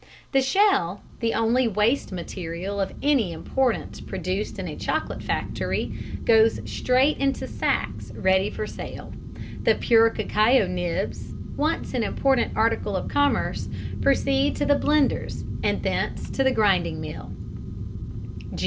] The shell, the only waste material of any importance produced in a chocolate factory, goes straight into sacks ready for sale. The pure cacao nibs (once an important article of commerce) proceed to the blenders and thence to the grinding mill.